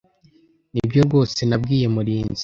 Nibyo rwose nabwiye Murinzi.